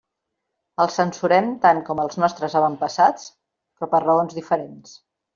El censurem tant com els nostres avantpassats, però per raons diferents.